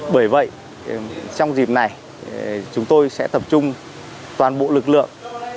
bởi vậy trong dịp này chúng tôi sẽ tập trung toàn bộ lực lượng